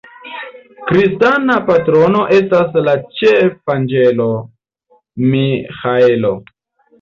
Kristana patrono estas la ĉefanĝelo Miĥaelo.